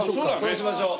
そうしましょう。